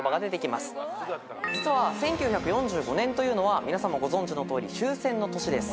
１９４５年というのは皆さんもご存じのとおり終戦の年です。